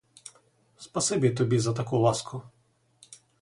Спасибі тобі за таку ласку.